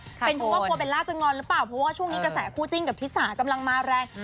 เป็นเพราะว่ากลัวเบลล่าจะงอนหรือเปล่าเพราะว่าช่วงนี้กระแสคู่จิ้นกับทิสากำลังมาแรง